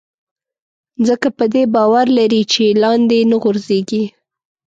ځکه په دې باور لري چې لاندې نه غورځېږي.